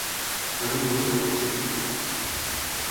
Farem honor al nostre títol.